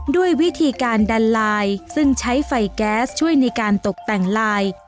ด้วยวิธีการดันลายซึ่งใช้ไฟแก๊สช่วยในการตกแต่งลาย